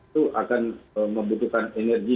itu akan membutuhkan energi